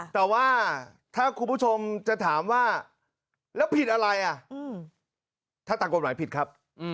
แต่ว่าถ้าคุณผู้ชมจะถามว่าแล้วผิดอะไรอ่ะถ้าตามกฎหมายผิดครับ